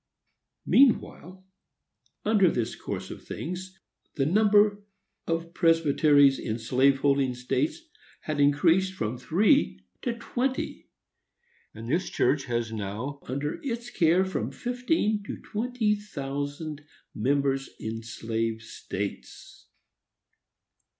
Meanwhile, under this course of things, the number of presbyteries in slave holding states had increased from three to twenty! and this church has now under its care from fifteen to twenty thousand members in slave states.